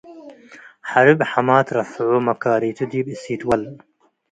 . ሐርብ ሐማት ትረፍዑ። መካሪቱ ዲብ እሲት ወል፣